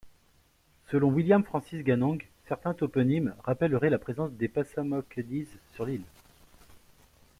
Selon William Francis Ganong, certains toponymes rappelleraient la présence des Passamaquoddys sur l'île.